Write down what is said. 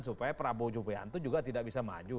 supaya prabowo jupianto juga tidak bisa maju